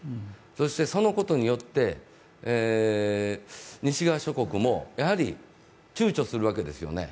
そしてそのことによって、西側諸国もやはりちゅうちょするわけですよね。